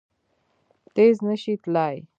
تېز نه شي تلای!